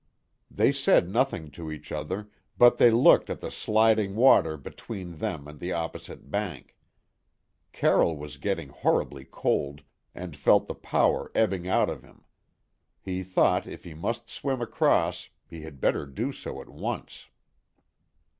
They said nothing to each other, but they looked at the sliding water between them and the opposite bank. Carroll was getting horribly cold, and felt the power ebbing out of him; he thought if he must swim across he had better do so at once.